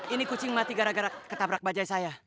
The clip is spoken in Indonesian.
ini kucing mati gara gara ketabrak bajai saya